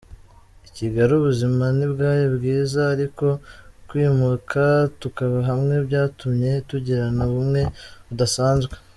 I Kigali ubuzima ntibwari bwiza ariko kwimuka tukaba hamwe byatumye tugirana ubumwe budasanzwe.